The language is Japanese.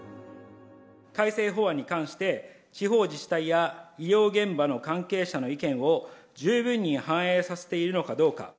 改正法案に関して、地方自治体や医療現場の関係者の意見を十分に反映させているのかどうか。